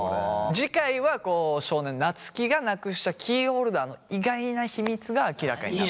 次回は少年夏樹がなくしたキーホルダーの意外な秘密が明らかに。